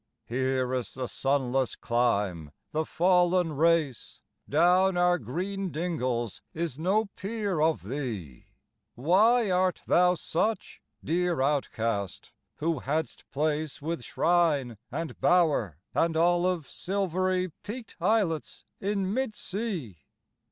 Here is the sunless clime, the fallen race; Down our green dingles is no peer of thee: Why art thou such, dear outcast, who hadst place With shrine, and bower, and olive silvery Peaked islets in mid sea?